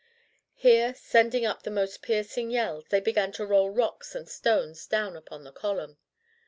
Here, sending up the most piercing yells, they began to roll rocks and stones down upon the column.